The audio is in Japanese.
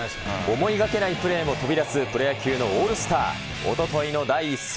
思いがけないプレーも飛び出すプロ野球のオールスター、おとといの第１戦。